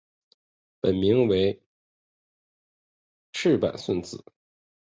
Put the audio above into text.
本名为赤坂顺子。